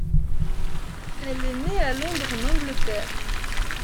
Elle est née à Londres en Angleterre.